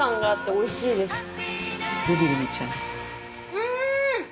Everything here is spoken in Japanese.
うん！